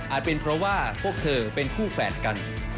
เป็นเพราะว่าพวกเธอเป็นคู่แฝดกัน